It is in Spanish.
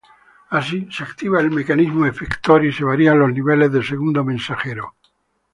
Así, se activa el mecanismo efector y se varían los niveles de segundo mensajero.